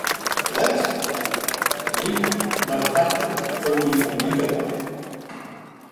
Later, Konica manufactured the Koni Omega line.